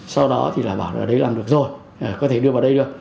sau đó thì là bảo ở đấy làm được rồi có thể đưa vào đây được